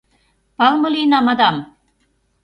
Палыме лийына, мадам.